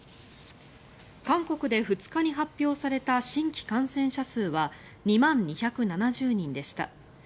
韓国で２日に発表された新規感染者数は２万２７０人でした。